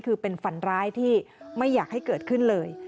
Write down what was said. คือเป็นฝันร้ายที่ไม่อยากให้เกิดขึ้นเลย